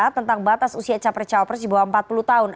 tentang batas usia capres cawapres di bawah empat puluh tahun